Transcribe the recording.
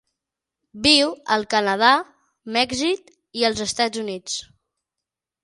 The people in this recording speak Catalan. Viu al Canadà, Mèxic i els Estats Units.